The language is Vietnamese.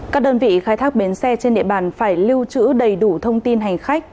các đơn vị khai thác bến xe trên địa bàn phải lưu trữ đầy đủ thông tin hành khách